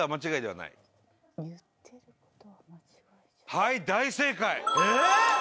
はい大正解。